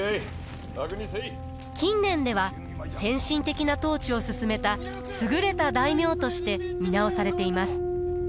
近年では先進的な統治をすすめた優れた大名として見直されています。